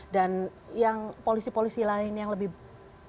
dan yang polisi polisi lain yang lebih baik ya